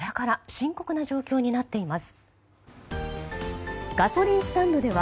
深刻な状況になっています。